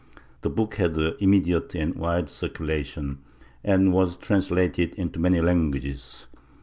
The book had an immediate and wide circulation and was translated into many languages.